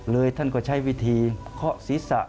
เลยท่านก็ใช้วิธีขอศีรษะ